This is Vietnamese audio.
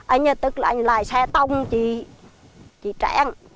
anh nhớ tức là anh lái xe tông chi trang